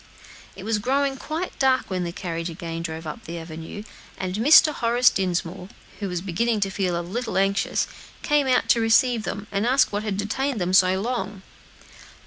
It was growing quite dark when the carriage again drove up the avenue; and Mr. Horace Dinsmore, who was beginning to feel a little anxious, came out to receive them, and ask what had detained them so long.